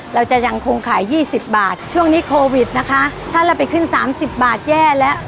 เราจะยังคงขายยี่สิบบาทช่วงนี้โควิดนะคะถ้าเราไปขึ้นสามสิบบาทแย่แล้ว